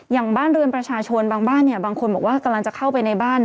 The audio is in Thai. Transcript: อย่างบ้านเรือนประชาชนบางบ้านเนี่ยบางคนบอกว่ากำลังจะเข้าไปในบ้าน